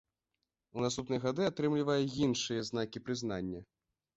У наступныя гады атрымлівае іншыя знакі прызнання.